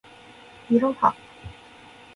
いろは